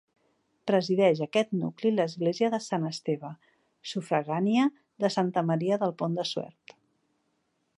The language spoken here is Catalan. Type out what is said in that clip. Presideix aquest nucli l'església de sant Esteve, sufragània de Santa Maria del Pont de Suert.